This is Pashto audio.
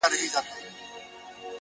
ستا د ميني پـــه كـــورگـــي كـــــي،